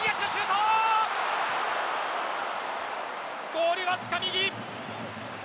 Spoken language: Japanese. ゴール、わずか右！